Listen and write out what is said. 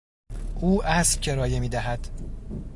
او اسب کرایه میدهد.